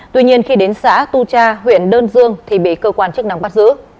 tuy nhiên khi đến xã tu cha huyện đơn dương thì bị cơ quan chức năng bắt giữ